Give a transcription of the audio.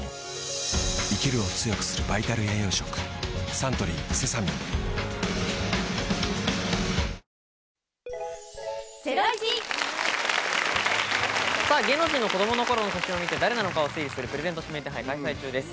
サントリーセサミン芸能人の子どもの頃の写真を見て誰なのかを推理するプレゼント指名手配を開催中です。